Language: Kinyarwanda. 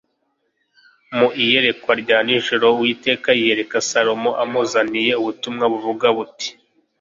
mu iyerekwa rya nijoro uwiteka yiyereka salomo amuzaniye ubutumwa buvuga buti